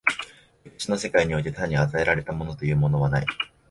歴史の世界においては単に与えられたものというものはない。